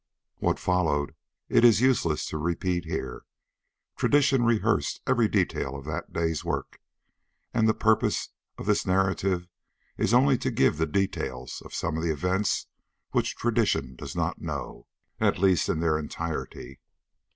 What followed it is useless to repeat here. Tradition rehearsed every detail of that day's work, and the purpose of this narrative is only to give the details of some of the events which tradition does not know, at least in their entirety.